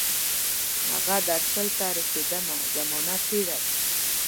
هغه درشل ته رسیدمه، زمانه تیره ده